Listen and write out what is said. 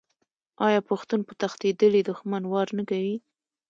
آیا پښتون په تښتیدلي دښمن وار نه کوي؟